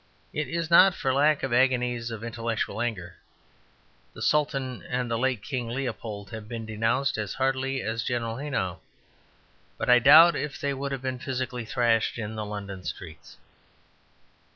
It is not for lack of agonies of intellectual anger: the Sultan and the late King Leopold have been denounced as heartily as General Haynau. But I doubt if they would have been physically thrashed in the London streets.